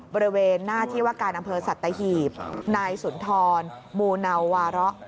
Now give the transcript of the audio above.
บริเวณหน้าที่ว่าการอำเภอสัตหีบนายสุนทรมูเนาวาระ